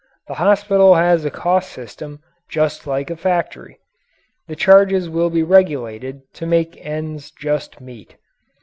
The hospital has a cost system just like a factory. The charges will be regulated to make ends just meet.